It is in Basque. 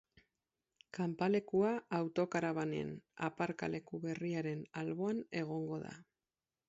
Kanpalekua autokarabanen aparkaleku berriaren alboan egongo da.